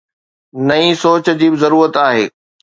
نئين سوچ جي به ضرورت آهي.